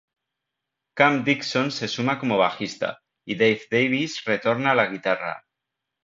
Cam Dixon se suma como bajista y Dave Davis retorna a la guitarra.